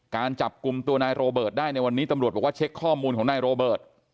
การจับกลุ่มตัวนายโรเบิร์ตได้ในวันนี้ตำรวจบอกว่าเช็คข้อมูลของนายโรเบิร์ต